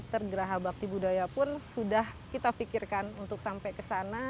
tergeraha bakti budaya pun sudah kita pikirkan untuk sampai ke sana